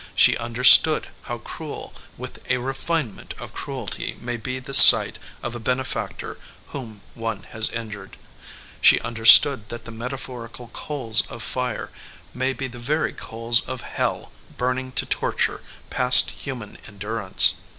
She understood how cruel with a refinement of cruelty may be the sight of a benefactor whom one has injured. She understood that the metaphorical coals of fire may be the very coals of hell burning to torture past 23 EDGEWATER PEOPLE human endurance.